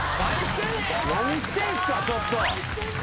何してんすかちょっと！